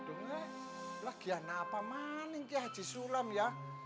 ini lagi anak apaan ya haji sulam ya